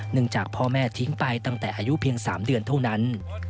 จากพ่อแม่ทิ้งไปตั้งแต่อายุเพียง๓เดือนเท่านั้น